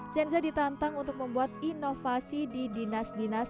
zenza ditantang untuk membuat inovasi di dinas dinas